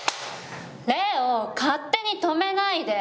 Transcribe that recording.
礼央勝手に止めないで。